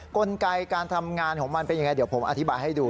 กลไกการทำงานของมันเป็นยังไงเดี๋ยวผมอธิบายให้ดู